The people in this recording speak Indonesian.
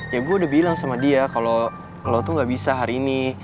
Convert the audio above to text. ya gue udah bilang sama dia kalau lo tuh gak bisa hari ini